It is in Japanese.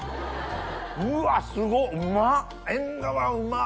うわすごっ！